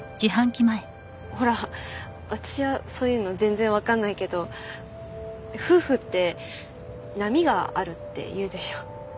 ほら私はそういうの全然わかんないけど夫婦って波があるっていうでしょ？